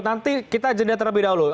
nanti kita jendah terlebih dahulu